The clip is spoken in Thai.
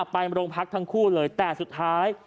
ไปโรงพักทั้งคู่เลยแต่สุดท้าย